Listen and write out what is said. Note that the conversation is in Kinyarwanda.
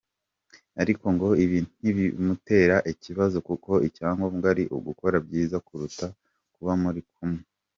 Ariko ngo ibi ntibimutera ikibazo kuko icyangombwa ari ugukora byiza kuruta kuba muri kumwe.